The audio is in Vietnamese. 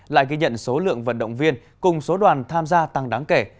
lại ghi nhận số lượng vận động viên cùng số đoàn tham gia tăng đáng kể